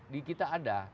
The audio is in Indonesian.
di kita ada